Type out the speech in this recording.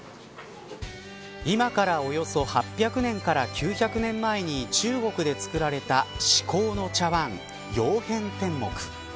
今から、およそ８００年から９００年前に中国で作られた至高の茶わん曜変天目。